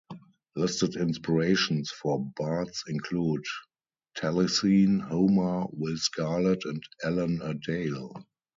Listed inspirations for bards include Taliesin, Homer, Will Scarlet and Alan-a-Dale.